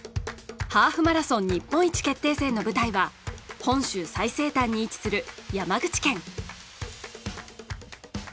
ハーフマラソン日本一決定戦の舞台は本州最西端に位置する山口県。